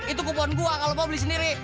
itu kupon gue kalau mau beli sendiri